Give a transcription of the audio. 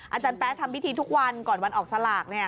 อาจารย์แป๊ทำพิธีทุกวันก่อนวันออกสลาก